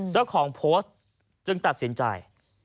เจ้าของโพสต์จึงตัดสินใจ